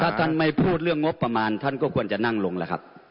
ถ้าท่านไม่พูดเรื่องงบประมาณท่านก็ควรจะนั่งลงแล้วครับ